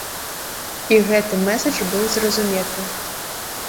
І гэты мэсэдж быў зразуметы.